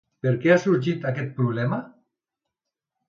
Per què ha sorgit aquest problema?